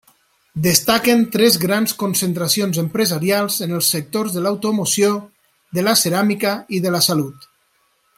Destaquen tres grans concentracions empresarials en els sectors de l'automoció, de la ceràmica i de la salut.